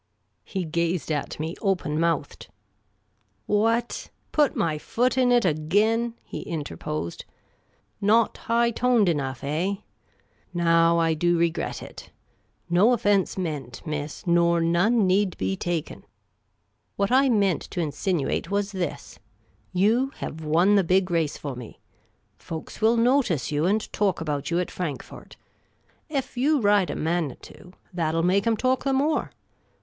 He gazed at me open mouthed. " What? Put my foot in it again?" he interposed. " Not high toned enough, eh ? Now, I do regret it. No ofience meant, miss, nor none need be taken. What I meant to in sinuate was this : you liev won the big race for me. Folks will notice you and talk about you at Frankfort. Ef you ride a Manitou, that '11 make 'em talk the more.